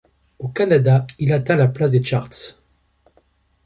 Au Canada, il atteint la place des charts.